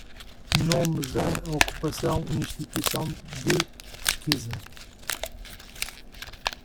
Nome da ocupação e instituição de pesquisa